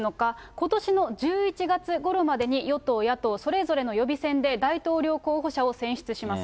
ことしの１１月ごろまでに、与党、野党、それぞれの予備選で大統領候補者を選出します。